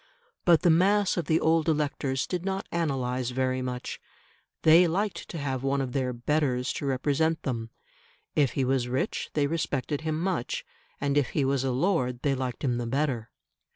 But the mass of the old electors did not analyse very much: they liked to have one of their "betters" to represent them; if he was rich they respected him much; and if he was a lord, they liked him the better.